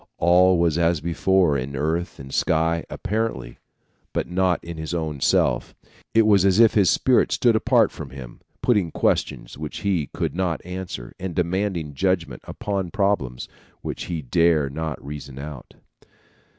All was as before in earth and sky, apparently, but not in his own self. It was as if his spirit stood apart from him, putting questions which he could not answer, and demanding judgment upon problems which he dare not reason out.